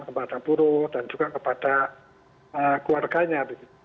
kepada buruh dan juga kepada keluarganya